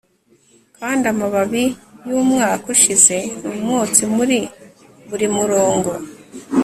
Kandi amababi yumwaka ushize ni umwotsi muri buri murongo